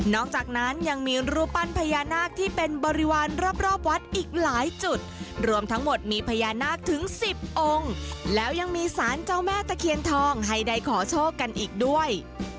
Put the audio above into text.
อกจากนั้นยังมีรูปปั้นพญานาคที่เป็นบริวารรอบวัดอีกหลายจุดรวมทั้งหมดมีพญานาคถึงสิบองค์แล้วยังมีสารเจ้าแม่ตะเคียนทองให้ได้ขอโชคกันอีกด้วย